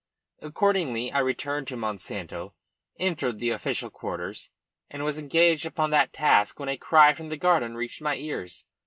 Accordingly, I returned to Monsanto, entered the official quarters, and was engaged upon that task when a cry from the garden reached my ears.